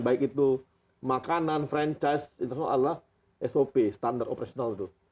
baik itu makanan franchise internasional adalah sop standar operasional itu